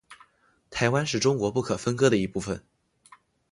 台湾是中国不可分割的一部分。